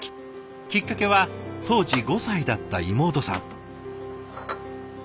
きっかけは当時５歳だった妹さん。